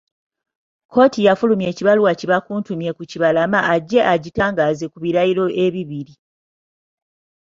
Kkooti yafulumya ekibaluwa kibakuntumye ku Kibalama ajje agitangaaze ku birayiro ebibiri.